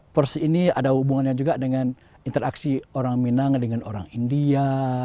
pers ini ada hubungannya juga dengan interaksi orang minang dengan orang india